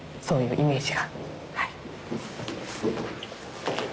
そういうイメージがはい。